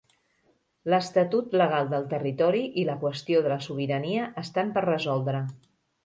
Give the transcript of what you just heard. L'estatus legal del territori i la qüestió de la sobirania estan per resoldre.